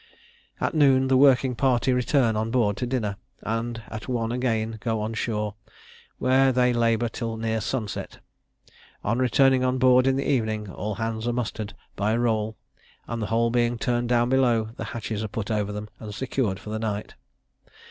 At noon the working party return on board to dinner, and at one again go on shore, where they labour till near sun set. On returning on board in the evening, all hands are mustered by a roll, and the whole being turned down below, the hatches are put over them, and secured for the night.